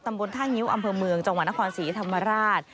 บนท่างิ้วอำเภอเมืองจังหวัดนครศรีธรรมราช